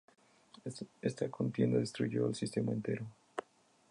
Esta contienda destruyó el sistema entero.